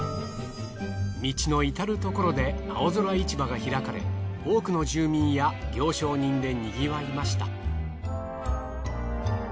道の至るところで青空市場が開かれ多くの住民や行商人でにぎわいました。